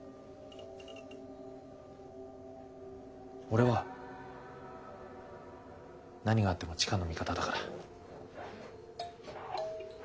俺は何があっても千佳の味方だから。